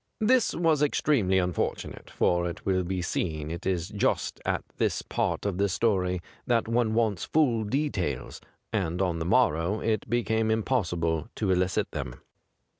This was extremely unfortunate, for it will be seen it is just at this part of the story that one wants full details, and on the morrow it became impossible to elicit them.